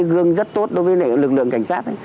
gương rất tốt đối với lực lượng cảnh sát